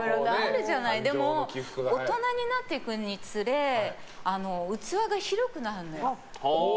でも、大人になっていくにつれ器が広くなるの。